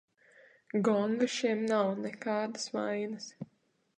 Gonga šiem nav, nekādas vainas.